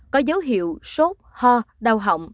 có dấu hiệu sốt ho đau hỏng